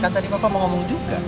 kan tadi bapak mau ngomong juga